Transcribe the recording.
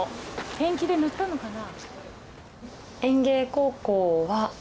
ペンキで塗ったのかな？